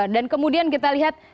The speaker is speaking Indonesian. dan kemudian kita lihat